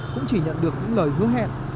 cũng chỉ nhận được những lời hứa hẹn